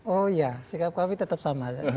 oh iya sikap kami tetap sama